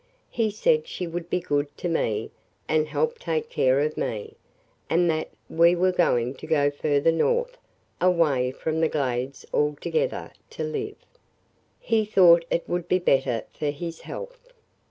He said she would be good to me and help take care of me, and that we were going to go further north, away from the Glades altogether, to live. He thought it would be better for his health.